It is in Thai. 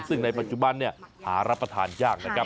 ซึ่งในปัจจุบันหารับประทานยากนะครับ